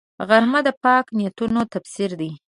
غرمه د پاک نیتونو تفسیر دی